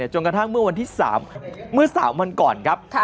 จนกระทั่งเมื่อวันที่๓วันก่อนครับ